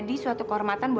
iya gue tau